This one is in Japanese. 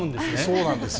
そうなんですよ。